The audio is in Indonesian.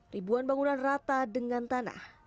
ribuan bangunan rata dengan tanah